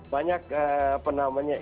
banyak pilihan yang akan kita lakukan